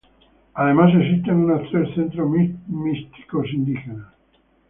Además, existen unos tres centros místicos indígenas.